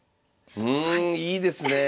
うんいいですねえ！